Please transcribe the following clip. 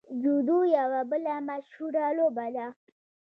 جودو یوه بله مشهوره لوبه ده.